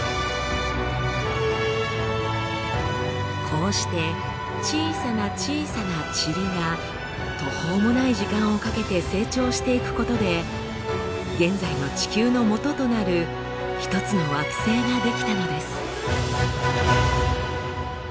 こうして小さな小さなチリが途方もない時間をかけて成長していくことで現在の地球のもととなる一つの惑星が出来たのです。